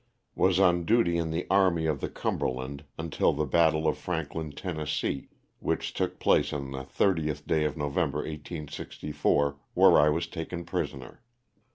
Was on duty in the Army of the Cumberland until the battle of Franklin, Tenn., which took place on the 30th day of November, 1864, where I was taken pris oner.